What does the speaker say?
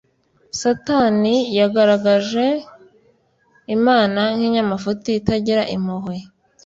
Satani yagaragaje Imana nk'inyagitugu itagira impuhwe.